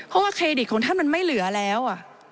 เพราะว่าเครดิตของท่านมันไม่เหลือแล้ว